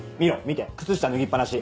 見て靴下脱ぎっぱなし。